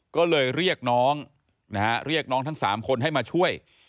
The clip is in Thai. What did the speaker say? ก็เลยเรียกน้องนะฮะเรียกน้องทั้ง๓คนให้มาช่วย